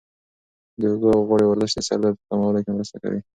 د اوږو او غاړې ورزش د سر درد په کمولو کې مرسته کوي.